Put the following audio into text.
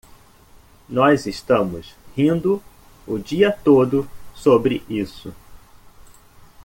Nós estamos rindo o dia todo sobre isso.